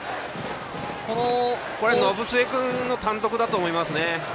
延末君の単独だと思いますね。